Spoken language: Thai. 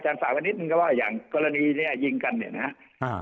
อย่างสาวนิดนึงก็ว่าอย่างกรณีเนี่ยยิงกันเนี่ยนะฮะ